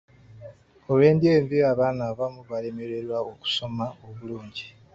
Olw'endya embi, abaana abamu balemererwa okusoma obulungi.